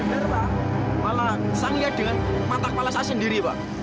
bener mbak malah saya ngeliat dengan mata kepala saya sendiri mbak